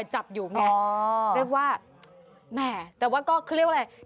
แหม่แต่ก็คือเรียกว่าไร